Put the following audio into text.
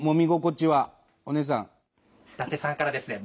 伊達さんからですね